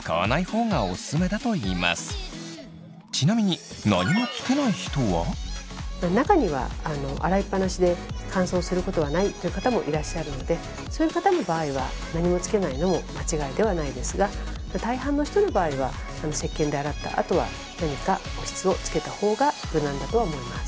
ちなみに中には洗いっぱなしで乾燥することはないという方もいらっしゃるのでそういう方の場合は何もつけないのも間違いではないですが大半の人の場合はせっけんで洗ったあとは何か保湿をつけた方が無難だとは思います。